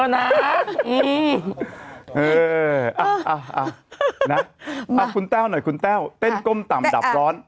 น้องแต้วเต้นก้มต่ำดับร้อน